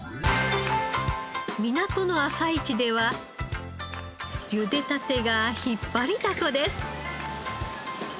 港の朝市ではゆでたてがひっぱりダコです。